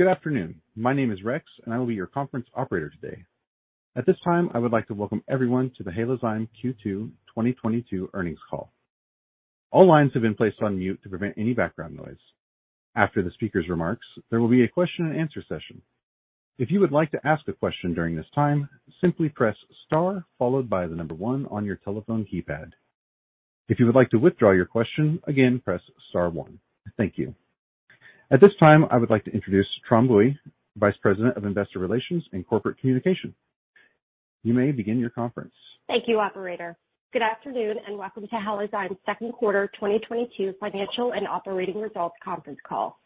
Good afternoon. My name is Rex, and I will be your conference operator today. At this time, I would like to welcome everyone to the Halozyme Q2 2022 Earnings Call. All lines have been placed on mute to prevent any background noise. After the speaker's remarks, there will be a question and answer session. If you would like to ask a question during this time, simply press star followed by the number one on your telephone keypad. If you would like to withdraw your question, again, press star one. Thank you. At this time, I would like to introduce Tram Bui, Vice President of Investor Relations and Corporate Communications. You may begin your conference. Thank you, operator. Good afternoon, and welcome to Halozyme Second Quarter 2022 Financial and Operating Results Conference Call.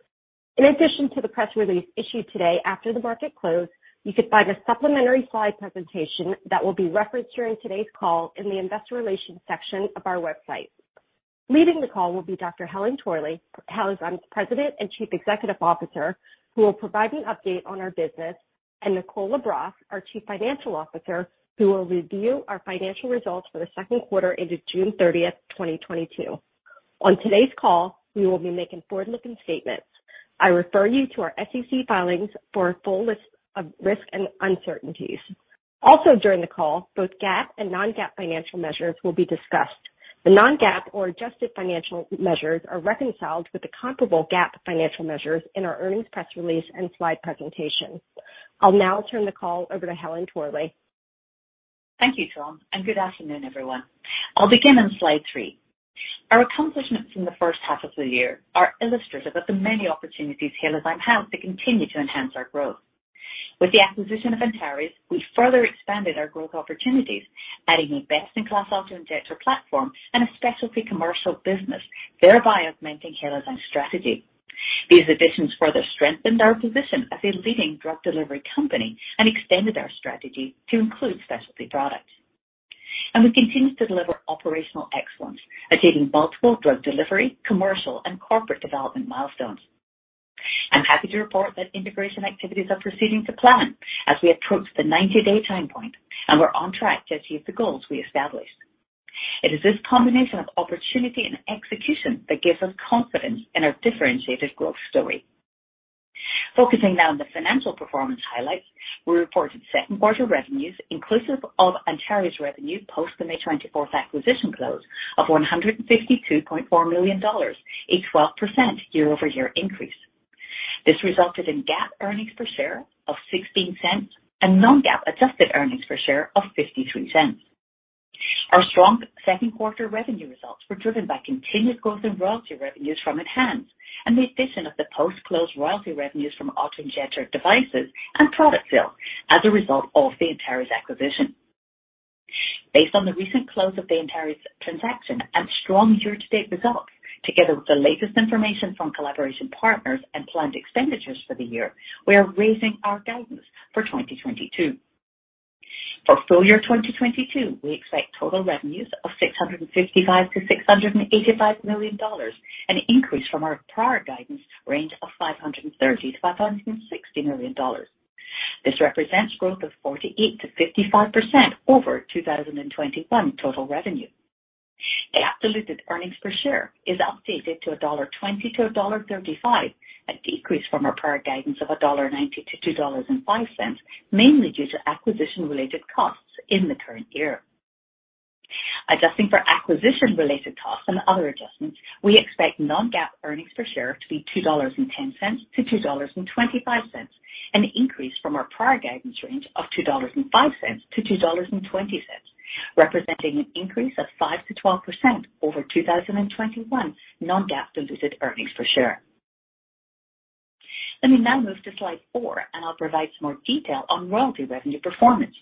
In addition to the press release issued today after the market closed, you can find a supplementary slide presentation that will be referenced during today's call in the investor relations section of our website. Leading the call will be Dr. Helen Torley, Halozyme's President and Chief Executive Officer, who will provide an update on our business, and Nicole LaBrosse, our Chief Financial Officer, who will review our financial results for the second quarter ended June 30, 2022. On today's call, we will be making forward-looking statements. I refer you to our SEC filings for a full list of risks and uncertainties. Also during the call, both GAAP and non-GAAP financial measures will be discussed. The non-GAAP or adjusted financial measures are reconciled with the comparable GAAP financial measures in our earnings press release and slide presentation. I'll now turn the call over to Helen Torley. Thank you, Tram, and good afternoon, everyone. I'll begin on slide three. Our accomplishments in the first half of the year are illustrative of the many opportunities Halozyme have to continue to enhance our growth. With the acquisition of Antares, we further expanded our growth opportunities, adding a best-in-class auto-injector platform and a specialty commercial business, thereby augmenting Halozyme's strategy. These additions further strengthened our position as a leading drug delivery company and extended our strategy to include specialty products. We've continued to deliver operational excellence, achieving multiple drug delivery, commercial, and corporate development milestones. I'm happy to report that integration activities are proceeding to plan as we approach the 90-day time point, and we're on track to achieve the goals we established. It is this combination of opportunity and execution that gives us confidence in our differentiated growth story. Focusing now on the financial performance highlights. We reported second-quarter revenues inclusive of Antares revenue post the May 24th acquisition close of $152.4 million, a 12% year-over-year increase. This resulted in GAAP EPS of $0.16 and non-GAAP adjusted EPS of $0.53. Our strong second-quarter revenue results were driven by continued growth in royalty revenues from ENHANZE and the addition of the post-close royalty revenues from auto-injector devices and product sales as a result of the Antares acquisition. Based on the recent close of the Antares transaction and strong year-to-date results, together with the latest information from collaboration partners and planned expenditures for the year, we are raising our guidance for 2022. For full year 2022, we expect total revenues of $655 million-$685 million, an increase from our prior guidance range of $530 million-$560 million. This represents growth of 48%-55% over 2021 total revenue. The absolute earnings per share is updated to $1.20-$1.35, a decrease from our prior guidance of $1.90-$2.05, mainly due to acquisition-related costs in the current year. Adjusting for acquisition-related costs and other adjustments, we expect non-GAAP earnings per share to be $2.10-$2.25, an increase from our prior guidance range of $2.05-$2.20, representing an increase of 5%-12% over 2021 non-GAAP diluted earnings per share. Let me now move to slide four, and I'll provide some more detail on royalty revenue performance.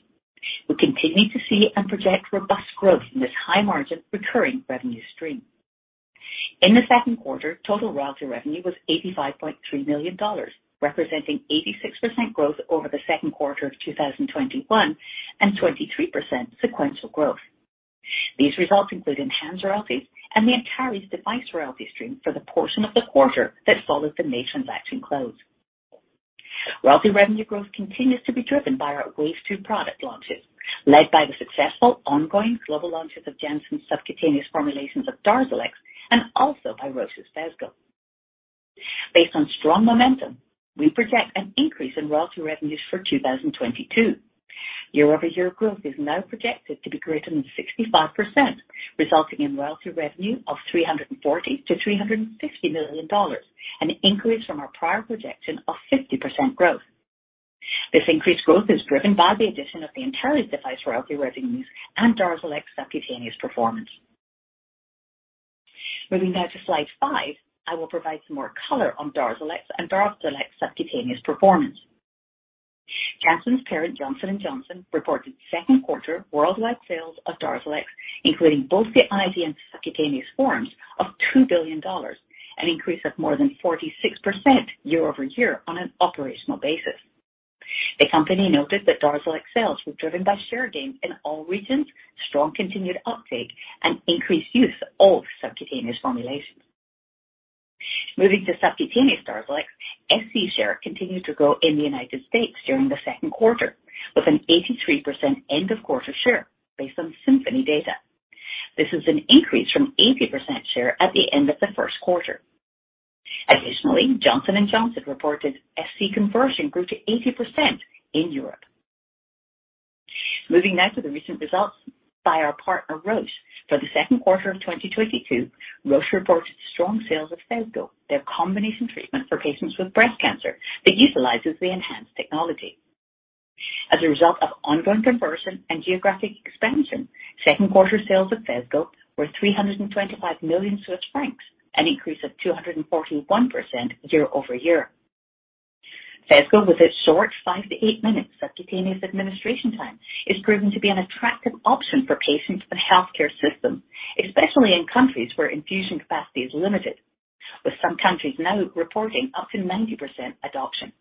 We continue to see and project robust growth in this high-margin recurring revenue stream. In the second quarter, total royalty revenue was $85.3 million, representing 86% growth over the second quarter of 2021 and 23% sequential growth. These results include enhanced royalties and the Antares device royalty stream for the portion of the quarter that followed the May transaction close. Royalty revenue growth continues to be driven by our Wave 2 product launches, led by the successful ongoing global launches of Janssen's subcutaneous formulations of DARZALEX and also by Roche's Phesgo. Based on strong momentum, we project an increase in royalty revenues for 2022. Year-over-year growth is now projected to be greater than 65%, resulting in royalty revenue of $340 million-$350 million, an increase from our prior projection of 50% growth. This increased growth is driven by the addition of the Antares device royalty revenues and DARZALEX subcutaneous performance. Moving now to slide five, I will provide some more color on DARZALEX and DARZALEX subcutaneous performance. Janssen's parent, Johnson & Johnson, reported second-quarter worldwide sales of DARZALEX, including both the IV and subcutaneous forms of $2 billion, an increase of more than 46% year-over-year on an operational basis. The company noted that DARZALEX sales were driven by share gains in all regions, strong continued uptake, and increased use of subcutaneous formulations. Moving to subcutaneous DARZALEX, SC share continued to grow in the United States during the second quarter with an 83% end-of-quarter share based on Symphony data. This is an increase from 80% share at the end of the first quarter. Additionally, Johnson & Johnson reported SC conversion grew to 80% in Europe. Moving now to the recent results by our partner, Roche. For the second quarter of 2022, Roche reported strong sales of Phesgo, their combination treatment for patients with breast cancer that utilizes the ENHANZE technology. As a result of ongoing conversion and geographic expansion, second quarter sales of Phesgo were 325 million Swiss francs, an increase of 241% year-over-year. Phesgo, with its short five-eight minutes subcutaneous administration time, is proven to be an attractive option for patients and healthcare system, especially in countries where infusion capacity is limited, with some countries now reporting up to 90% adoption.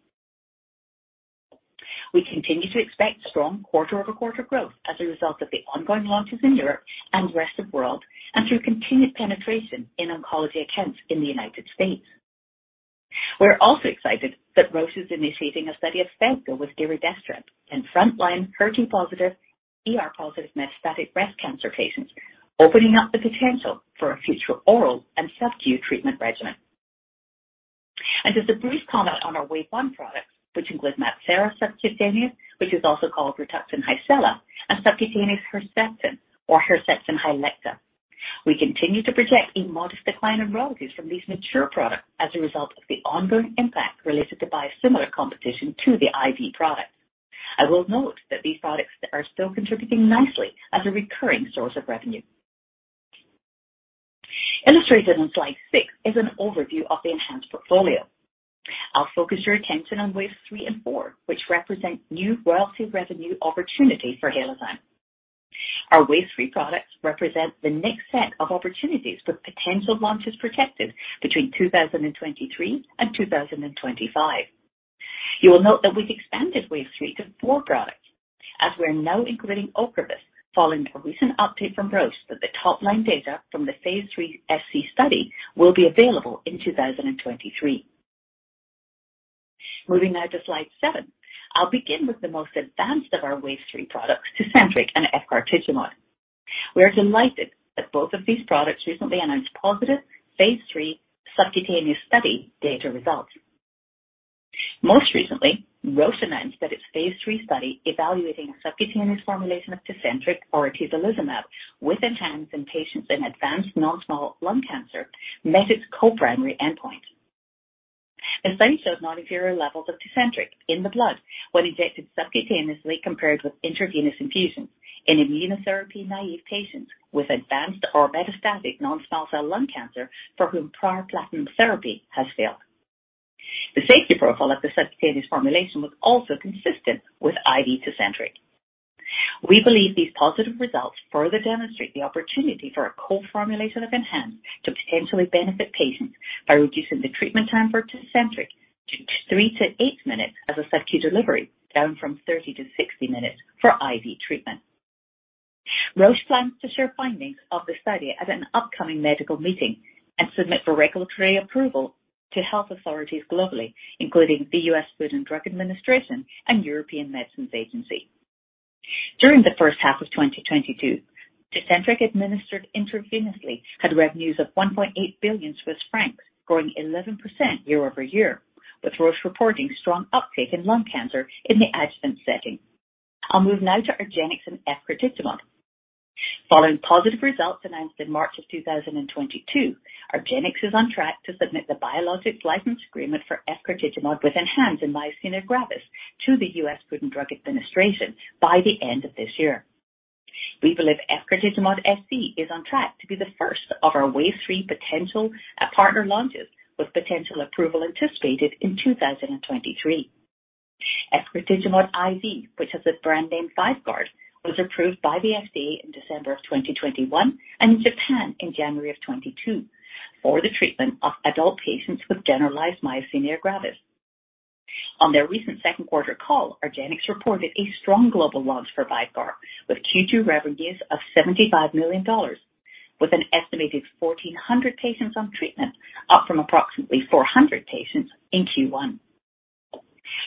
We continue to expect strong quarter-over-quarter growth as a result of the ongoing launches in Europe and rest of world and through continued penetration in oncology accounts in the United States. We're also excited that Roche is initiating a study of Phesgo with giredestrant in front line HER2-positive, ER-positive metastatic breast cancer patients, opening up the potential for a future oral and subcu treatment regimen. As a brief comment on our Wave 1 products, which include MabThera Subcutaneous, which is also called Rituxan Hycela, and Subcutaneous Herceptin or Herceptin Hylecta. We continue to project a modest decline in royalties from these mature products as a result of the ongoing impact related to biosimilar competition to the IV products. I will note that these products are still contributing nicely as a recurring source of revenue. Illustrated on slide six is an overview of the enhanced portfolio. I'll focus your attention on Wave 3 and 4, which represent new royalty revenue opportunities for Halozyme. Our Wave 3 products represent the next set of opportunities, with potential launches protected between 2023 and 2025. You will note that we've expanded Wave 3 to four products as we're now including OCREVUS, following a recent update from Roche that the top-line data from the phase III SC study will be available in 2023. Moving now to slide seven. I'll begin with the most advanced of our Wave 3 products, Tecentriq and efgartigimod. We are delighted that both of these products recently announced positive phase III subcutaneous study data results. Most recently, Roche announced that its phase III study evaluating a subcutaneous formulation of Tecentriq or atezolizumab with ENHANZE in patients in advanced non-small cell lung cancer met its co-primary endpoint. The study showed non-inferior levels of Tecentriq in the blood when injected subcutaneously compared with intravenous infusion in immunotherapy-naive patients with advanced or metastatic non-small cell lung cancer for whom prior platinum therapy has failed. The safety profile of the subcutaneous formulation was also consistent with IV Tecentriq. We believe these positive results further demonstrate the opportunity for a co-formulation of ENHANZE to potentially benefit patients by reducing the treatment time for Tecentriq to 3-8 minutes as a subcu delivery, down from 30-60 minutes for IV treatment. Roche plans to share findings of the study at an upcoming medical meeting and submit for regulatory approval to health authorities globally, including the US Food and Drug Administration and European Medicines Agency. During the first half of 2022, Tecentriq administered intravenously, had revenues of 1.8 billion Swiss francs, growing 11% year-over-year, with Roche reporting strong uptake in lung cancer in the adjuvant setting. I'll move now to argenx and efgartigimod. Following positive results announced in March of 2022, argenx is on track to submit the biologics license application for efgartigimod with ENHANZE in myasthenia gravis to the US Food and Drug Administration by the end of this year. We believe efgartigimod SC is on track to be the first of our Wave 3 potential partner launches, with potential approval anticipated in 2023. Efgartigimod IV, which has the brand name VYVGART, was approved by the FDA in December of 2021 and in Japan in January of 2022 for the treatment of adult patients with generalized myasthenia gravis. On their recent second quarter call, argenx reported a strong global launch for Vyvgart, with Q2 revenues of $75 million, with an estimated 1,400 patients on treatment, up from approximately 400 patients in Q1.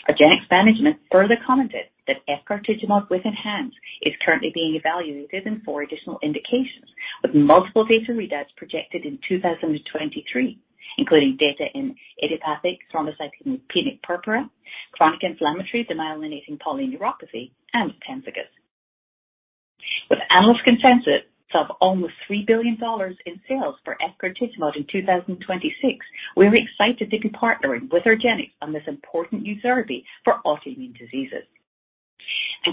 argenx management further commented that efgartigimod with ENHANZE is currently being evaluated in four additional indications, with multiple data readouts projected in 2023, including data in idiopathic thrombocytopenic purpura, chronic inflammatory demyelinating polyneuropathy, and Pemphigus. With analyst consensus of almost $3 billion in sales for efgartigimod in 2026, we're excited to be partnering with argenx on this important new therapy for autoimmune diseases.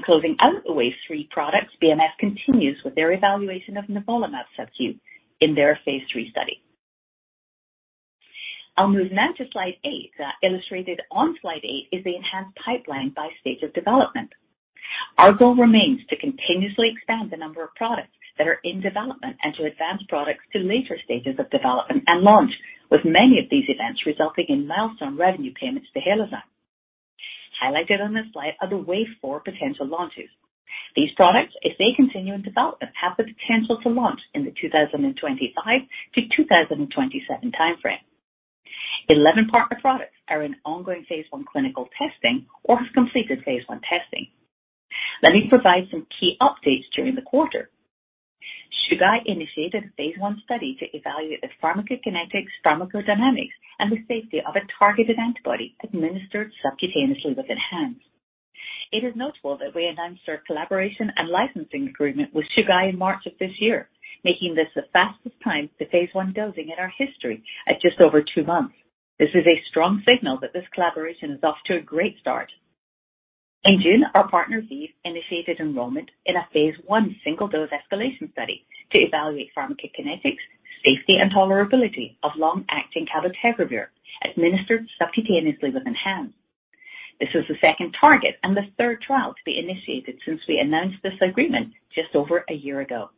Closing out the Wave 3 products, BMS continues with their evaluation of nivolumab subcu in their phase III study. I'll move now to slide eight. Illustrated on slide eight is the enhanced pipeline by stage of development. Our goal remains to continuously expand the number of products that are in development and to advance products to later stages of development and launch, with many of these events resulting in milestone revenue payments to Halozyme. Highlighted on this slide are the Wave 4 potential launches. These products, if they continue in development, have the potential to launch in the 2025-2027 timeframe. 11 partner products are in ongoing phase I clinical testing or have completed phase I testing. Let me provide some key updates during the quarter. Chugai initiated a phase I study to evaluate the pharmacokinetics, pharmacodynamics, and the safety of a targeted antibody administered subcutaneously with ENHANZE. It is notable that we announced our collaboration and licensing agreement with Chugai in March of this year, making this the fastest time to phase I dosing in our history at just over two months. This is a strong signal that this collaboration is off to a great start. In June, our partner ViiV initiated enrollment in a phase I single-dose escalation study to evaluate pharmacokinetics, safety and tolerability of long-acting cabotegravir administered subcutaneously with ENHANZE. This is the second target and the third trial to be initiated since we announced this agreement just over a year ago.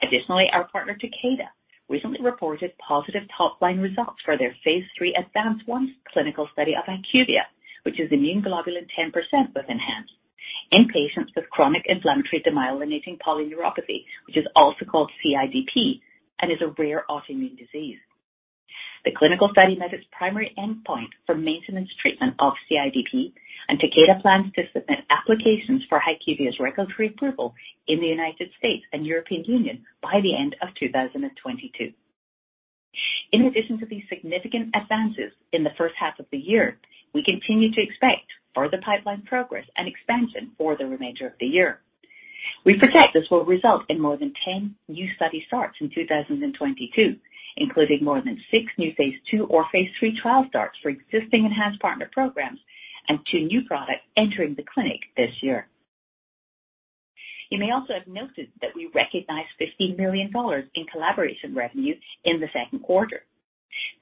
Additionally, our partner Takeda recently reported positive top-line results for their phase III ADVANCE-1 clinical study of HyQvia, which is immune globulin 10% with ENHANZE in patients with chronic inflammatory demyelinating polyneuropathy, which is also called CIDP and is a rare autoimmune disease. The clinical study met its primary endpoint for maintenance treatment of CIDP, and Takeda plans to submit applications for HyQvia's regulatory approval in the United States and European Union by the end of 2022. In addition to these significant advances in the first half of the year, we continue to expect further pipeline progress and expansion for the remainder of the year. We project this will result in more than 10 new study starts in 2022, including more than six new phase II or phase III trial starts for existing ENHANZE partner programs and two new products entering the clinic this year. You may also have noted that we recognized $50 million in collaboration revenue in the second quarter.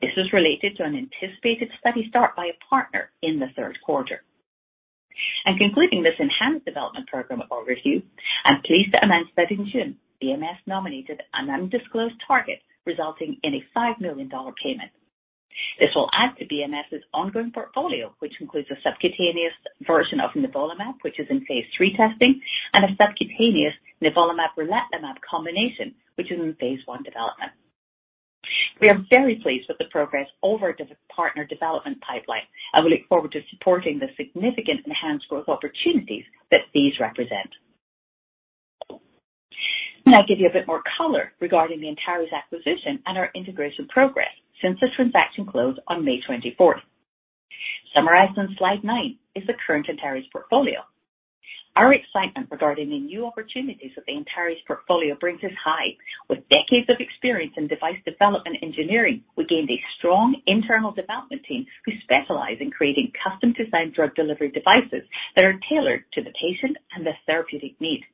This was related to an anticipated study start by a partner in the third quarter. Concluding this enhanced development program overview, I'm pleased to announce that in June, BMS nominated an undisclosed target resulting in a $5 million payment. This will add to BMS's ongoing portfolio, which includes a subcutaneous version of nivolumab, which is in phase III testing, and a subcutaneous nivolumab-relatlimab combination, which is in phase I development. We are very pleased with the progress over the partner development pipeline, and we look forward to supporting the significant enhanced growth opportunities that these represent. Now I'll give you a bit more color regarding the Antares acquisition and our integration progress since this transaction closed on May 24. Summarized on slide nine is the current Antares portfolio. Our excitement regarding the new opportunities that the Antares portfolio brings is high. With decades of experience in device development engineering, we gained a strong internal development team who specialize in creating custom-designed drug delivery devices that are tailored to the patient and the therapeutic need.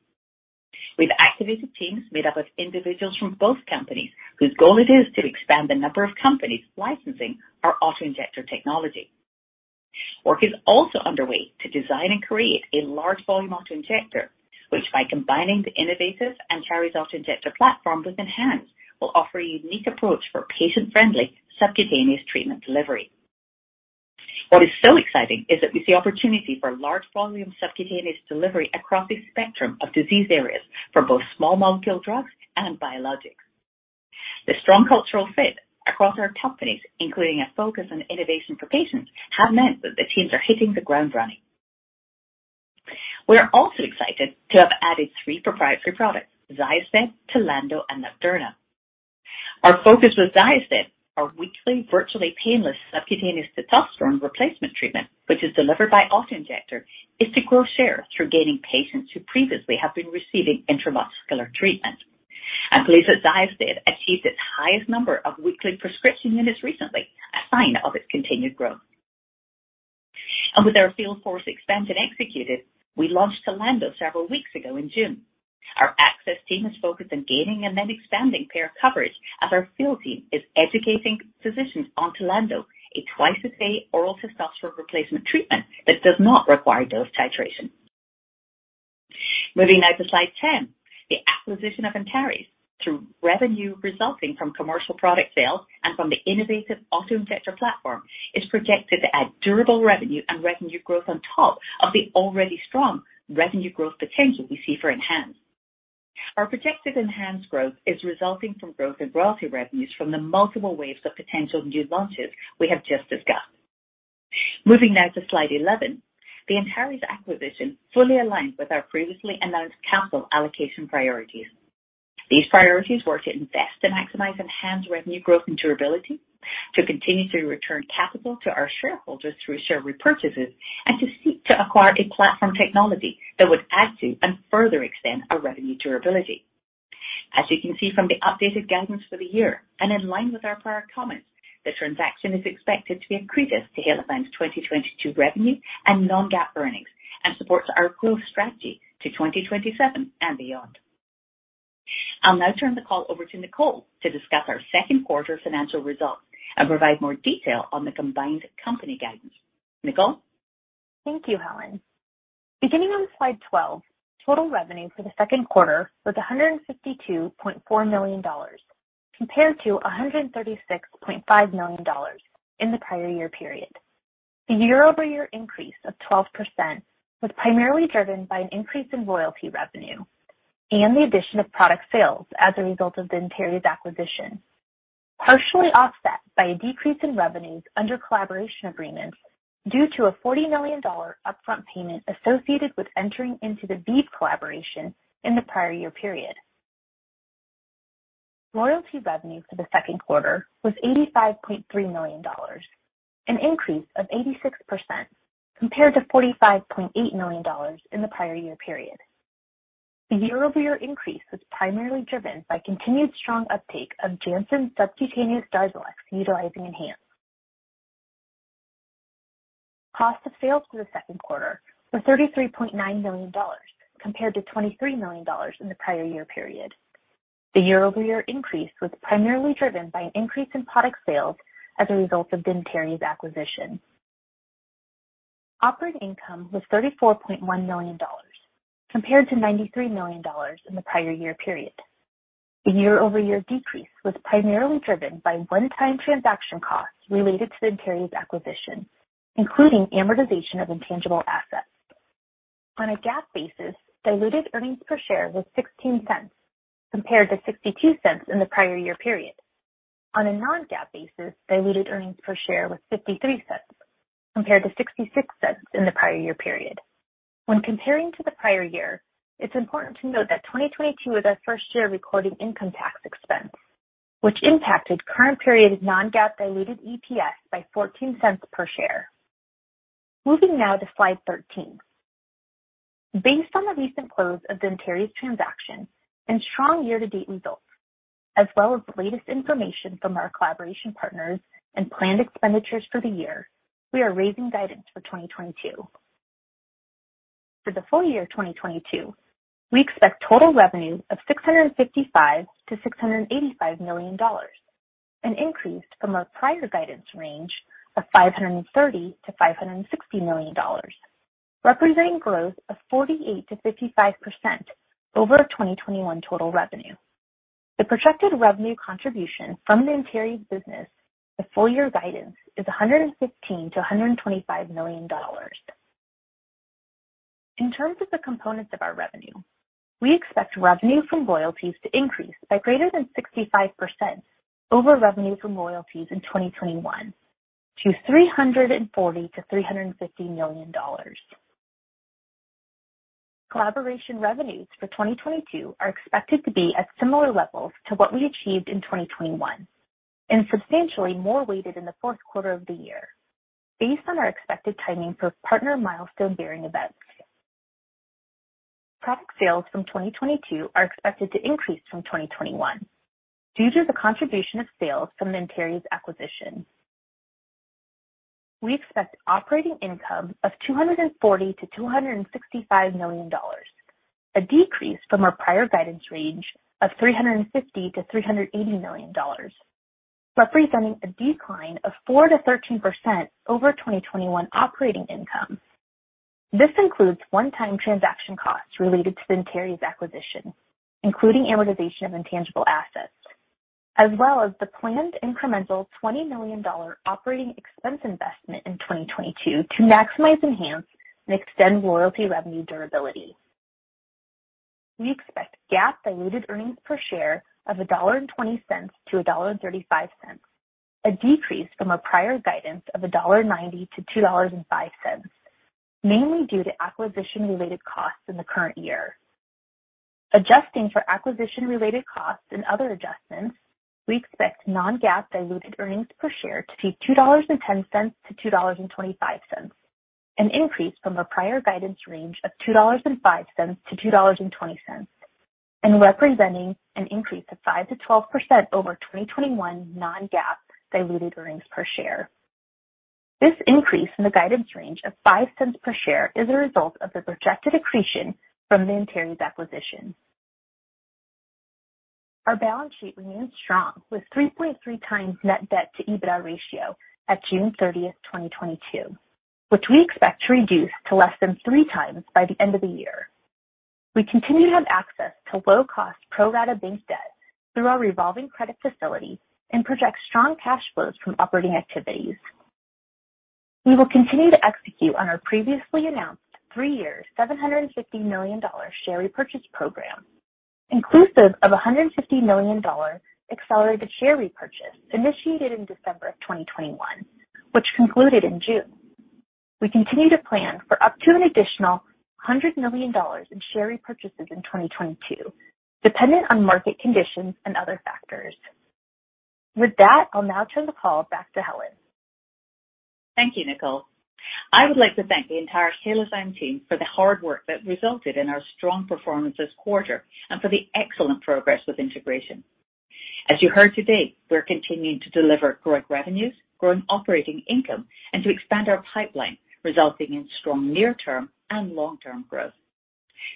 We've activated teams made up of individuals from both companies whose goal it is to expand the number of companies licensing our auto-injector technology. Work is also underway to design and create a large volume auto-injector, which by combining the innovative Antares auto-injector platform with ENHANZE, will offer a unique approach for patient-friendly subcutaneous treatment delivery. What is so exciting is that we see opportunity for large volume subcutaneous delivery across a spectrum of disease areas for both small molecule drugs and biologics. The strong cultural fit across our companies, including a focus on innovation for patients, have meant that the teams are hitting the ground running. We are also excited to have added three proprietary products, XYOSTED, TLANDO, and LUXTURNA. Our focus with XYOSTED, our weekly virtually painless subcutaneous testosterone replacement treatment, which is delivered by auto-injector, is to grow share through gaining patients who previously have been receiving intramuscular treatment. I'm pleased that XYOSTED achieved its highest number of weekly prescriptions in this recently, a sign of its continued growth. With our field force expanded, executed, we launched TLANDO several weeks ago in June. Our access team is focused on gaining and then expanding payer coverage as our field team is educating physicians on TLANDO, a twice-a-day oral testosterone replacement treatment that does not require dose titration. Moving now to slide 10. The acquisition of Antares through revenue resulting from commercial product sales and from the innovative auto-injector platform is projected to add durable revenue and revenue growth on top of the already strong revenue growth potential we see for ENHANZE. Our projected ENHANZE growth is resulting from growth in royalty revenues from the multiple waves of potential new launches we have just discussed. Moving now to slide 11. The Antares acquisition fully aligns with our previously announced capital allocation priorities. These priorities were to invest and maximize ENHANZE revenue growth and durability, to continue to return capital to our shareholders through share repurchases, and to seek to acquire a platform technology that would add to and further extend our revenue durability. As you can see from the updated guidance for the year, and in line with our prior comments, the transaction is expected to be accretive to Halozyme's 2022 revenue and non-GAAP earnings and supports our growth strategy to 2027 and beyond. I'll now turn the call over to Nicole to discuss our second quarter financial results and provide more detail on the combined company guidance. Nicole? Thank you, Helen. Beginning on slide 12, total revenue for the second quarter was $152.4 million compared to $136.5 million in the prior year period. The year-over-year increase of 12% was primarily driven by an increase in royalty revenue and the addition of product sales as a result of the Antares acquisition, partially offset by a decrease in revenues under collaboration agreements due to a $40 million upfront payment associated with entering into the ViiV collaboration in the prior year period. Royalty revenue for the second quarter was $85.3 million, an increase of 86% compared to $45.8 million in the prior year period. The year-over-year increase was primarily driven by continued strong uptake of Janssen subcutaneous DARZALEX utilizing ENHANZE. Cost of sales for the second quarter was $33.9 million compared to $23 million in the prior year period. The year-over-year increase was primarily driven by an increase in product sales as a result of the Antares acquisition. Operating income was $34.1 million, compared to $93 million in the prior year period. The year-over-year decrease was primarily driven by one-time transaction costs related to the Antares acquisition, including amortization of intangible assets. On a GAAP basis, diluted earnings per share was $0.16, compared to $0.62 in the prior year period. On a non-GAAP basis, diluted earnings per share was $0.53, compared to $0.66 in the prior year period. When comparing to the prior year, it's important to note that 2022 was our first year recording income tax expense, which impacted current period non-GAAP diluted EPS by $0.14 per share. Moving now to slide 13. Based on the recent close of the Antares transaction and strong year-to-date results, as well as the latest information from our collaboration partners and planned expenditures for the year, we are raising guidance for 2022. For the full year of 2022, we expect total revenue of $655 million-$685 million, an increase from our prior guidance range of $530 million-$560 million, representing growth of 48%-55% over 2021 total revenue. The projected revenue contribution from the Antares business to full year guidance is $115 million-$125 million. In terms of the components of our revenue, we expect revenue from royalties to increase by greater than 65% over revenue from royalties in 2021 to $340 million-$350 million. Collaboration revenues for 2022 are expected to be at similar levels to what we achieved in 2021 and substantially more weighted in the fourth quarter of the year based on our expected timing for partner milestone-bearing events. Product sales from 2022 are expected to increase from 2021 due to the contribution of sales from the Antares acquisition. We expect operating income of $240 million-$265 million, a decrease from our prior guidance range of $350 million-$380 million, representing a decline of 4%-13% over 2021 operating income. This includes one-time transaction costs related to the Antares acquisition, including amortization of intangible assets, as well as the planned incremental $20 million operating expense investment in 2022 to maximize, enhance, and extend royalty revenue durability. We expect GAAP diluted earnings per share of $1.20-$1.35, a decrease from our prior guidance of $1.90-$2.05, mainly due to acquisition-related costs in the current year. Adjusting for acquisition-related costs and other adjustments, we expect non-GAAP diluted earnings per share to be $2.10-$2.25, an increase from our prior guidance range of $2.05-$2.20, and representing an increase of 5%-12% over 2021 non-GAAP diluted earnings per share. This increase in the guidance range of $0.05 per share is a result of the projected accretion from the Antares acquisition. Our balance sheet remains strong, with 3.3x net debt-to-EBITDA ratio at June 30, 2022, which we expect to reduce to less than 3x by the end of the year. We continue to have access to low-cost pro rata bank debt through our revolving credit facility and project strong cash flows from operating activities. We will continue to execute on our previously announced three-year, $750 million share repurchase program, inclusive of a $150 million accelerated share repurchase initiated in December of 2021, which concluded in June. We continue to plan for up to an additional $100 million in share repurchases in 2022, dependent on market conditions and other factors. With that, I'll now turn the call back to Helen. Thank you, Nicole. I would like to thank the entire Halozyme team for the hard work that resulted in our strong performance this quarter and for the excellent progress with integration. As you heard today, we're continuing to deliver growing revenues, growing operating income, and to expand our pipeline, resulting in strong near-term and long-term growth.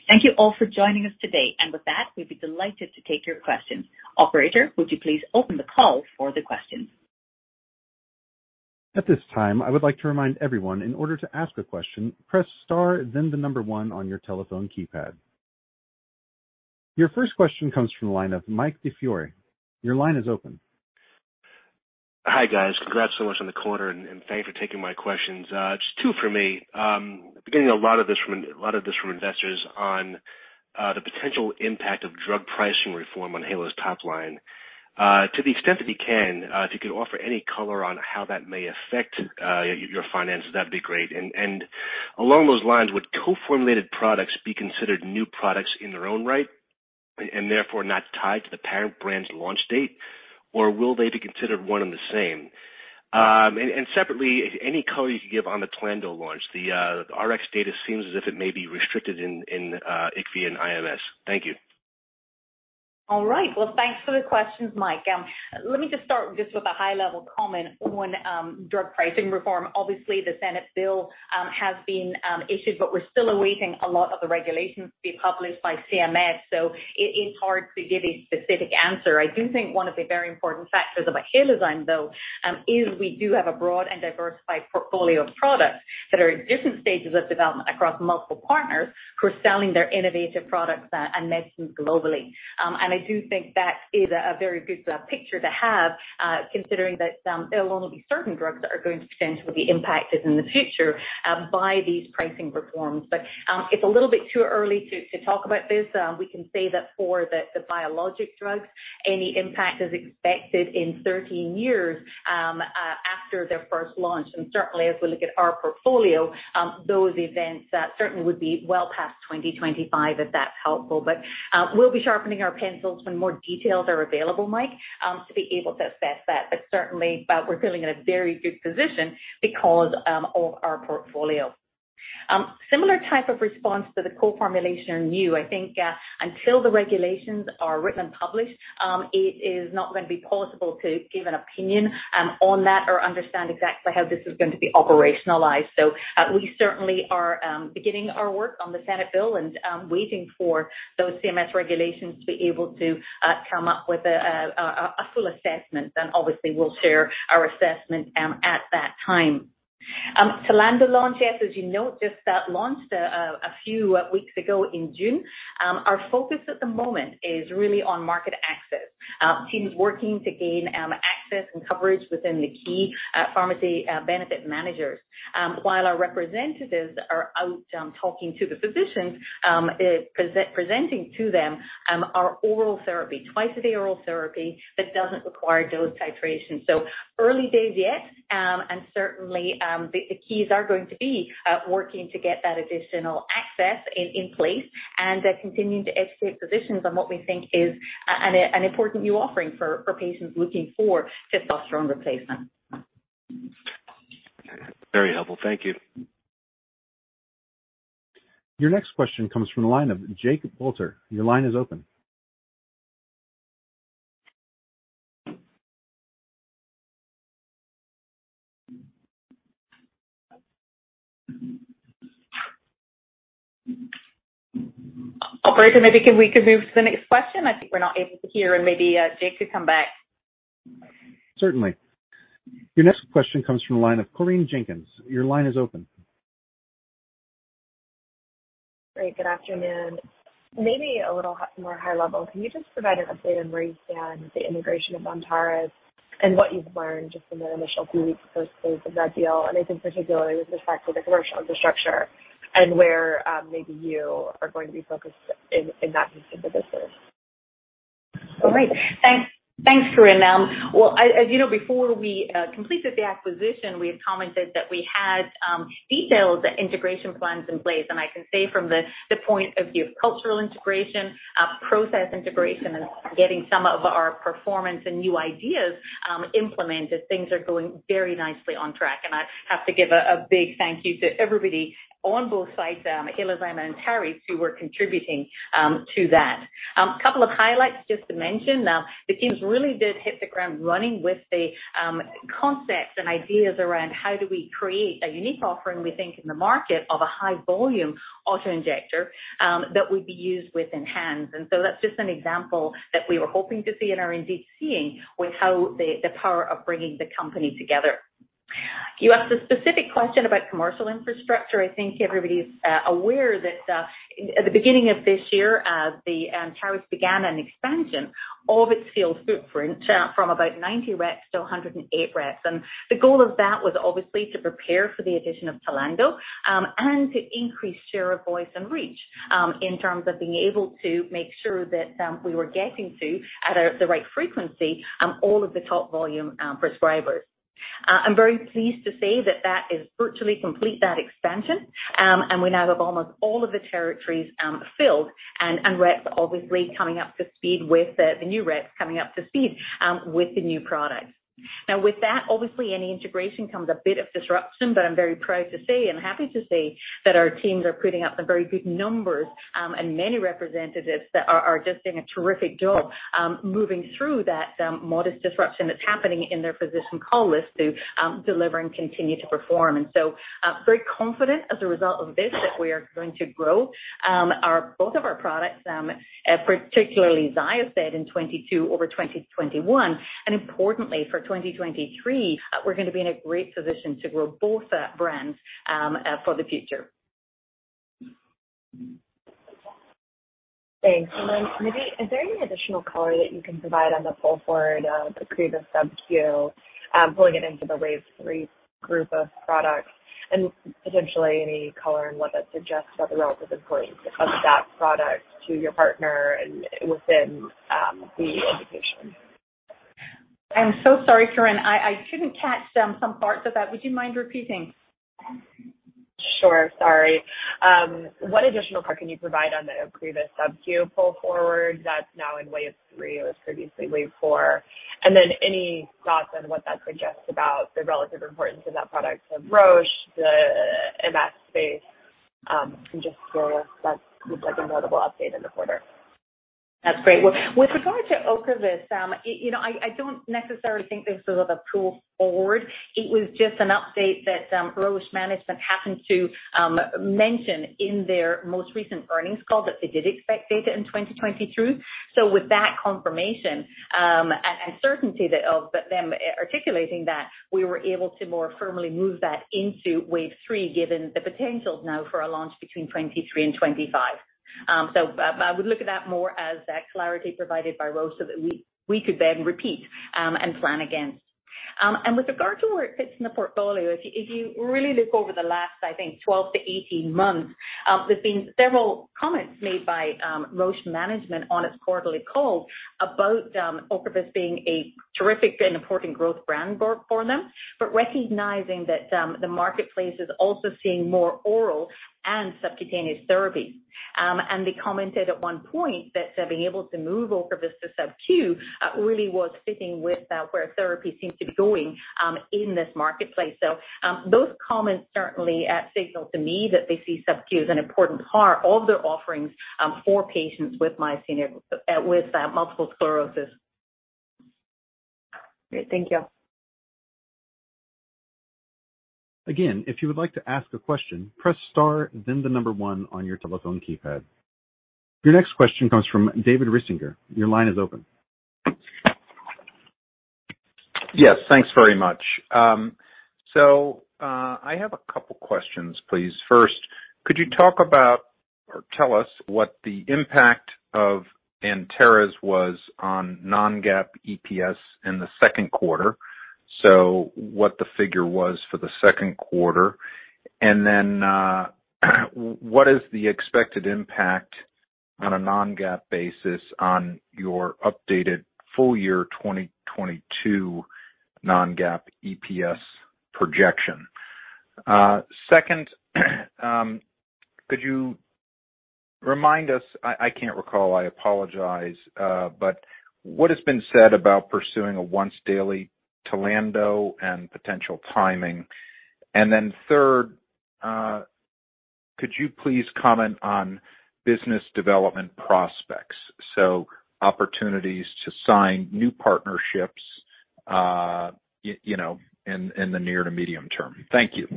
Thank you all for joining us today. With that, we'd be delighted to take your questions. Operator, would you please open the call for the questions? At this time, I would like to remind everyone, in order to ask a question, press star then the number one on your telephone keypad. Your first question comes from the line of Mike DiFiore. Your line is open. Hi, guys. Congrats so much on the quarter, and thank you for taking my questions. Just two for me. Been getting a lot of this from investors on the potential impact of drug pricing reform on Halozyme's top line. To the extent that you can, if you could offer any color on how that may affect your finances, that'd be great. Along those lines, would co-formulated products be considered new products in their own right and therefore not tied to the parent brand's launch date, or will they be considered one and the same? Separately, any color you could give on the TLANDO launch. The Rx data seems as if it may be restricted in IQVIA and IMS. Thank you. All right. Well, thanks for the questions, Mike. Let me just start with a high-level comment on drug pricing reform. Obviously, the Senate bill has been issued, but we're still awaiting a lot of the regulations to be published by CMS, so it is hard to give a specific answer. I do think one of the very important factors about Halozyme, though, is we do have a broad and diversified portfolio of products that are at different stages of development across multiple partners who are selling their innovative products and medicines globally. I do think that is a very good picture to have, considering that there will only be certain drugs that are going to potentially be impacted in the future by these pricing reforms. It's a little bit too early to talk about this. We can say that for the biologic drugs, any impact is expected in 13 years after their first launch. Certainly as we look at our portfolio, those events certainly would be well past 2025 if that's helpful. We'll be sharpening our pencils when more details are available, Mike, to be able to assess that. Certainly, we're feeling in a very good position because of our portfolio. Similar type of response to the co-formulation are new. I think until the regulations are written and published, it is not gonna be possible to give an opinion on that or understand exactly how this is going to be operationalized. We certainly are beginning our work on the Senate bill and waiting for those CMS regulations to be able to come up with a full assessment. Obviously we'll share our assessment at that time. TLANDO launch, yes, as you know, just launched a few weeks ago in June. Our focus at the moment is really on market access. Teams working to gain access and coverage within the key pharmacy benefit managers. While our representatives are out talking to the physicians presenting to them our oral therapy, twice a day oral therapy that doesn't require dose titration. Early days yet, and certainly, the keys are going to be working to get that additional access in place and continuing to educate physicians on what we think is an important new offering for patients looking for testosterone replacement. Very helpful. Thank you. Your next question comes from the line of Jake Walter. Your line is open. Operator, maybe we could move to the next question? I think we're not able to hear, and maybe Jake could come back. Certainly. Your next question comes from the line of Corinne Jenkins. Your line is open. Great. Good afternoon. Maybe a little more high level, can you just provide an update on where you stand with the integration of Antares and what you've learned just in the initial few weeks or so since that deal? Anything particularly with respect to the commercial infrastructure and where, maybe you are going to be focused in that piece of the business? All right. Thanks. Thanks, Corinne. Well, as you know, before we completed the acquisition, we had commented that we had detailed integration plans in place. I can say from the point of view of cultural integration, process integration, and getting some of our performance and new ideas implemented, things are going very nicely on track. I have to give a big thank you to everybody on both sides, Halozyme and Antares, who were contributing to that. Couple of highlights just to mention. The teams really did hit the ground running with the concepts and ideas around how do we create a unique offering, we think, in the market of a high volume auto-injector that would be used with ENHANZE. That's just an example that we were hoping to see and are indeed seeing with how the power of bringing the company together. You asked a specific question about commercial infrastructure. I think everybody's aware that at the beginning of this year, the Antares began an expansion of its field footprint from about 90 reps to 108 reps. The goal of that was obviously to prepare for the addition of TLANDO and to increase share of voice and reach in terms of being able to make sure that we were getting to the right frequency all of the top volume prescribers. I'm very pleased to say that is virtually complete, that expansion. We now have almost all of the territories filled and reps obviously coming up to speed with the new reps coming up to speed with the new product. Now, with that, obviously any integration comes a bit of disruption, but I'm very proud to see and happy to see that our teams are putting up some very good numbers and many representatives are just doing a terrific job moving through that modest disruption that's happening in their physician call list to deliver and continue to perform. Very confident as a result of this that we are going to grow both of our products, particularly XYOSTED in 2022 over 2021, and importantly for 2023, we're gonna be in a great position to grow both brands for the future. Thanks. Maybe is there any additional color that you can provide on the pull forward, the previous subq, pulling it into the Wave 3 group of products and potentially any color and what that suggests about the relative importance of that product to your partner and within the indication? I'm so sorry, Corinne. I didn't catch some parts of that. Would you mind repeating? Sure. Sorry. What additional color can you provide on the OCREVUS subq pull forward that's now in Wave 3, it was previously Wave 4. Any thoughts on what that suggests about the relative importance of that product to Roche, the MS space, and just sort of that looked like a notable update in the quarter. That's great. Well, with regard to OCREVUS, you know, I don't necessarily think this was a pull forward. It was just an update that Roche management happened to mention in their most recent earnings call that they did expect data in 2023. With that confirmation, and certainty that of them articulating that, we were able to more firmly move that into Wave 3, given the potentials now for a launch between 2023 and 2025. I would look at that more as that clarity provided by Roche so that we could then repeat, and plan against. With regard to where it fits in the portfolio, if you really look over the last 12-18 months, there's been several comments made by Roche management on its quarterly calls about OCREVUS being a terrific and important growth brand for them. Recognizing that the marketplace is also seeing more oral and subcutaneous therapies. They commented at one point that being able to move OCREVUS to subq really was fitting with where therapy seems to be going in this marketplace. Those comments certainly signal to me that they see subq as an important part of their offerings for patients with multiple sclerosis. Great. Thank you. Again, if you would like to ask a question, press star then the number one on your telephone keypad. Your next question comes from David Risinger. Your line is open. Yes, thanks very much. I have a couple questions, please. First, could you talk about or tell us what the impact of Antares was on non-GAAP EPS in the second quarter, what the figure was for the second quarter? What is the expected impact on a non-GAAP basis on your updated full year 2022 non-GAAP EPS projection? Second, could you remind us- I can't recall, I apologize- what has been said about pursuing a once-daily TLANDO and potential timing? Third, could you please comment on business development prospects, so opportunities to sign new partnerships, you know, in the near to medium term? Thank you.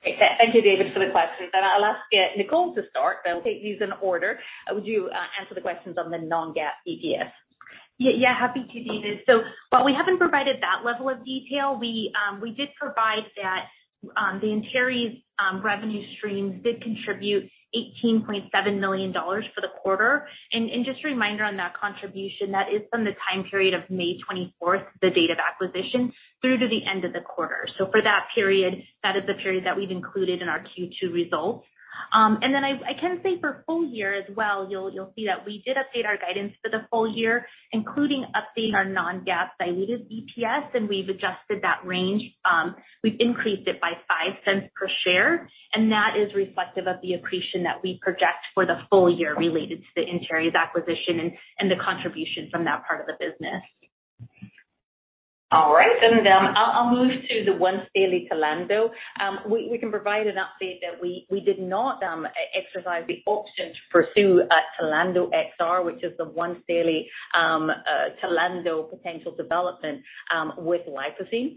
Okay. Thank you, David, for the questions. I'll ask Nicole to start. I'll take these in order. Would you answer the questions on the non-GAAP EPS? Yeah, happy to, David. While we haven't provided that level of detail, we did provide that the Antares revenue stream did contribute $18.7 million for the quarter. Just a reminder on that contribution, that is from the time period of May 24, the date of acquisition, through to the end of the quarter. For that period, that is the period that we've included in our Q2 results. Then I can say for full year as well you'll see that we did update our guidance for the full year, including updating our non-GAAP diluted EPS, and we've adjusted that range. We've increased it by $0.05 per share, and that is reflective of the accretion that we project for the full year related to the Antares acquisition and the contribution from that part of the business. All right. I'll move to the once-daily TLANDO. We can provide an update that we did not exercise the option to pursue a TLANDO XR, which is the once-daily TLANDO potential development, with Lipocine.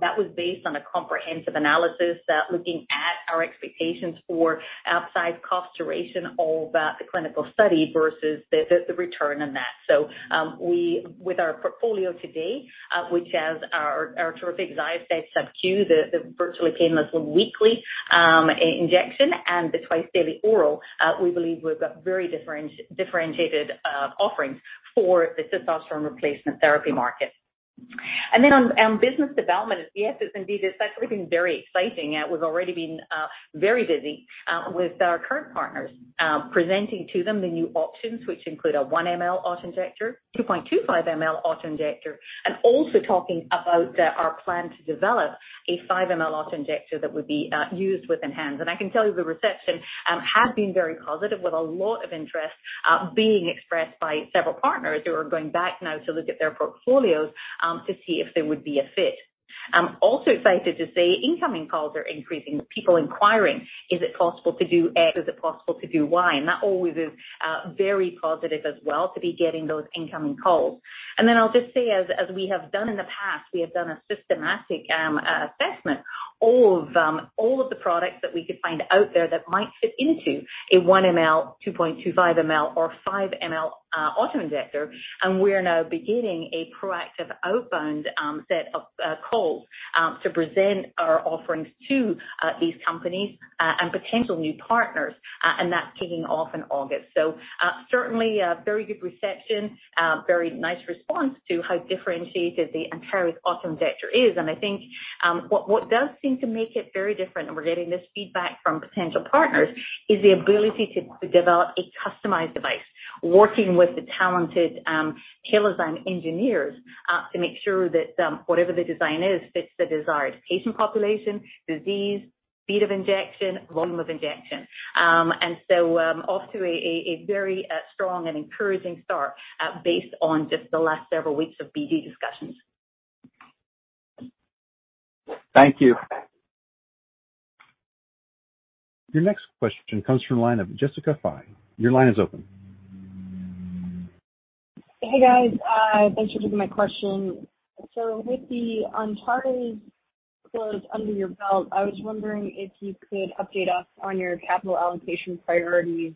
That was based on a comprehensive analysis that looking at our expectations for upside cost duration of the clinical study versus the return on that. We with our portfolio today, which has our terrific XYOSTED subQ, the virtually painless weekly injection and the twice-daily oral, we believe we've got very differentiated offerings for the testosterone replacement therapy market. Then on business development. Yes, indeed, it's actually been very exciting. We've already been very busy with our current partners, presenting to them the new options, which include a 1 ml auto-injector, 2.25 ml auto-injector, and also talking about our plan to develop a 5 ml auto-injector that would be used with ENHANZE. I can tell you the reception has been very positive with a lot of interest being expressed by several partners who are going back now to look at their portfolios to see if there would be a fit. I'm also excited to say incoming calls are increasing, people inquiring, "Is it possible to do X? Is it possible to do Y?" That always is very positive as well to be getting those incoming calls. I'll just say, as we have done in the past, we have done a systematic assessment of all of the products that we could find out there that might fit into a 1 mL, 2.25 mL or 5 mL auto-injector. We're now beginning a proactive outbound set of calls to present our offerings to these companies and potential new partners. That's kicking off in August. Certainly a very good reception, very nice response to how differentiated the Antares auto-injector is. I think what does seem to make it very different, and we're getting this feedback from potential partners, is the ability to develop a customized device working with the talented Halozyme engineers to make sure that whatever the design is fits the desired patient population, disease, speed of injection, volume of injection. Off to a very strong and encouraging start based on just the last several weeks of BD discussions. Thank you. Your next question comes from the line of Jessica Fye. Your line is open. Hey, guys. Thanks for taking my question. With the Antares close under your belt, I was wondering if you could update us on your capital allocation priorities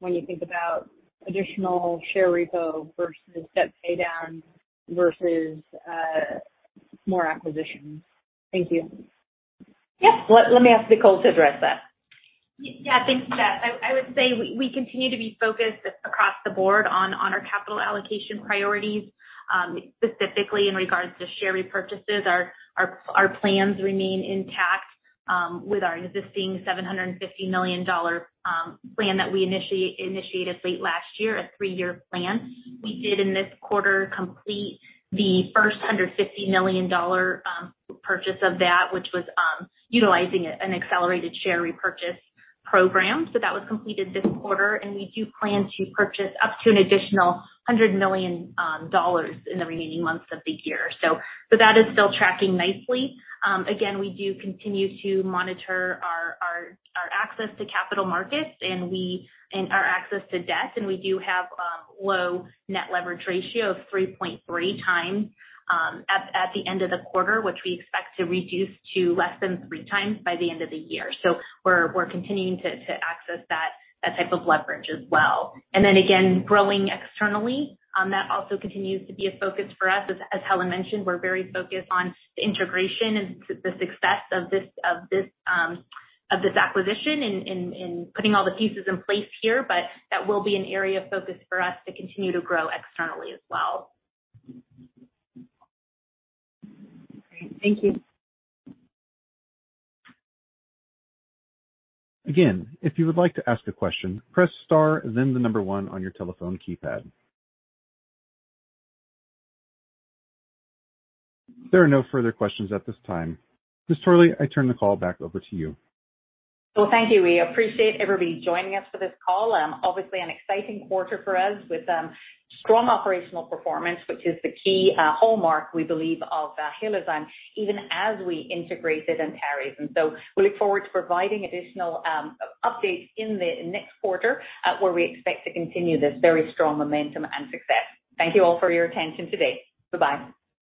when you think about additional share repo versus debt pay down versus more acquisitions. Thank you. Yes. Let me ask Nicole to address that. Yeah. Thanks for that. I would say we continue to be focused across the board on our capital allocation priorities. Specifically in regards to share repurchases, our plans remain intact with our existing $750 million plan that we initiated late last year, a three-year plan. We did in this quarter complete the first $150 million purchase of that, which was utilizing an accelerated share repurchase program. That was completed this quarter, and we do plan to purchase up to an additional $100 million dollars in the remaining months of the year. That is still tracking nicely. Again, we do continue to monitor our access to capital markets and our access to debt, and we do have low net leverage ratio of 3.3x at the end of the quarter, which we expect to reduce to less than 3x by the end of the year. We're continuing to access that type of leverage as well. Again, growing externally, that also continues to be a focus for us- as Helen mentioned, we're very focused on the integration and the success of this acquisition and putting all the pieces in place here. That will be an area of focus for us to continue to grow externally as well. Great. Thank you. If you would like to ask a question, press star, then the number one on your telephone keypad. There are no further questions at this time. Dr. Torley, I turn the call back over to you. Well, thank you. We appreciate everybody joining us for this call. Obviously an exciting quarter for us with strong operational performance, which is the key hallmark we believe of Halozyme, even as we integrated Antares. We look forward to providing additional updates in the next quarter, where we expect to continue this very strong momentum and success. Thank you all for your attention today. Bye-bye.